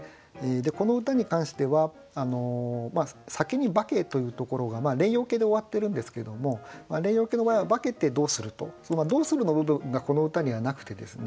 この歌に関しては「酒に化け」というところが連用形で終わってるんですけども連用形の場合は「化けてどうする」とその「どうする」の部分がこの歌にはなくてですね